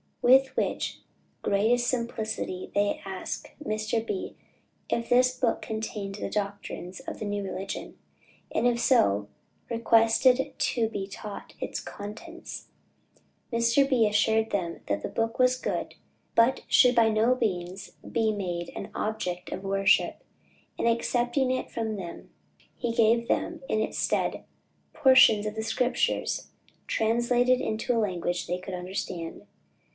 With the greatest simplicity they asked Mr. B. if this book contained the doctrines of the new religion, and if so, requested to be taught its contents. Mr. B. assured them that the book was good, but should by no means be made an object of worship; and accepting it from them, he gave them in its stead, portions of the Scriptures, translated into a language they could understand.